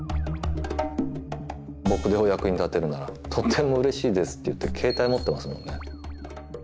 僕でお役に立てるならとっても嬉しいですって言って携帯持ってますもんね。